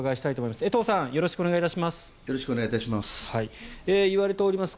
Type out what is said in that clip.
よろしくお願いします。